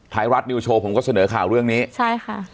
ท้ายราชนิวโชว์ผมเฉินเรข่าวเรื่องนี้่ะใช่ค่ะ